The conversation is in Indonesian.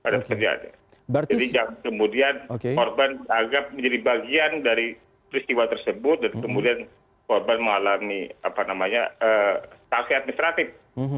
jadi kemudian korban dianggap menjadi bagian dari peristiwa tersebut dan kemudian korban mengalami stasiun administratif